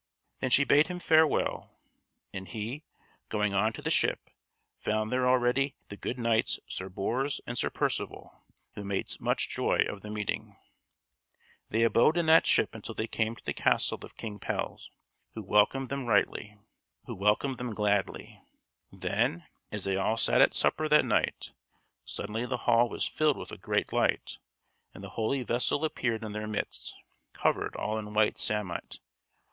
Then she bade him farewell, and he, going on to the ship, found there already the good knights Sir Bors and Sir Percivale, who made much joy of the meeting. They abode in that ship until they had come to the castle of King Pelles, who welcomed them right gladly. Then, as they all sat at supper that night, suddenly the hall was filled with a great light, and the holy vessel appeared in their midst, covered all in white samite.